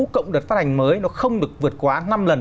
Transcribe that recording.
cộng đợt phát hành mới nó không được vượt quá năm lần